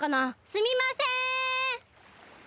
すみません！